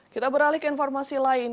kita beralih ke informasi lain